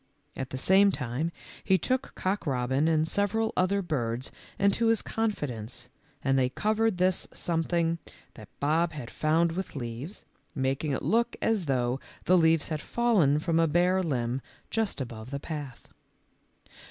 At the same time he took Cock robin and several other birds into his confi dence and they covered this something that Bob had found with leaves, making it look as though the leaves had fallen from a bare limb just above the path.